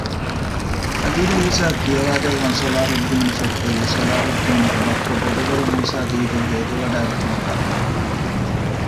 އަނދިރި އީސައަށް ކިޔަވައިދެއްވަން ޞަލާޙުއްދީނު ފެއްޓެވީ ޞަލާހުއްދީނުގެ ބައްޕަ ބޮޑުގަލު މޫސާ ދީދީގެ އެދިވަޑައިގަތުމަކަށް